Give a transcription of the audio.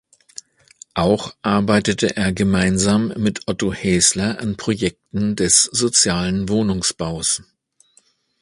Auch arbeitete er gemeinsam mit Otto Haesler an Projekten des sozialen Wohnungsbaus.